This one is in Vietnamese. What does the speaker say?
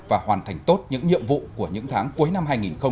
và hoàn thành tốt những nhiệm vụ của những tháng cuối năm hai nghìn hai mươi